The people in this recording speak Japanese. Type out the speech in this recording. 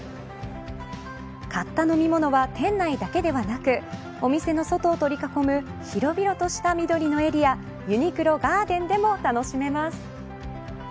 買った飲み物は店内だけではなくお店の外を取り囲む広々とした緑のエリアＵＮＩＱＬＯＧＡＲＤＥＮでも楽しめます。